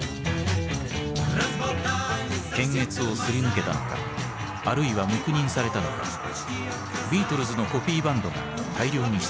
検閲をすり抜けたのかあるいは黙認されたのかビートルズのコピーバンドが大量に出現。